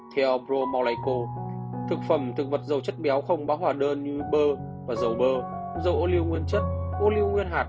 theo bromolico thực phẩm thực vật dầu chất béo không bao hòa đơn như bơ và dầu bơ dầu ô liu nguyên chất ô liu nguyên hạt